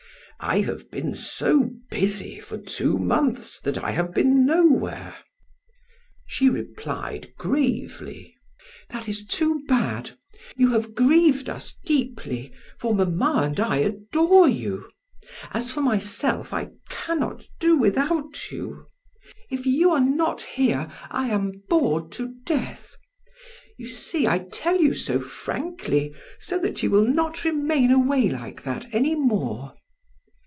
"I have been so busy for two months that I have been nowhere." She replied gravely: "That is too bad. You have grieved us deeply, for mamma and I adore you. As for myself, I cannot do without you. If you are not here, I am bored to death. You see I tell you so frankly, that you will not remain away like that any more.